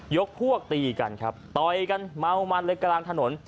ยกพวกตีกันต่อยกันเมามันเลยกระลางถนน